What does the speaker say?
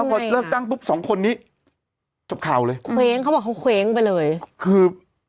วันนี้ชอบคราวเลยเขาบอกเขาเขวงไปเลยคือ